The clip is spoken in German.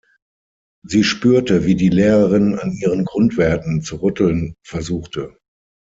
Sie spürte, wie die Lehrerin an ihren Grundwerten zu rütteln versuchte.